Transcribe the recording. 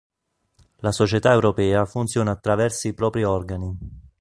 La società europea funziona attraverso i propri organi.